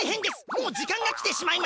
もうじかんがきてしまいました！